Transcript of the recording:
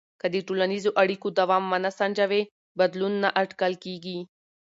که د ټولنیزو اړیکو دوام ونه سنجوې، بدلون نه اټکل کېږي.